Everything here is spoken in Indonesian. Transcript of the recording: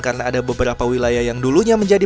karena ada beberapa wilayah yang dulunya menjadi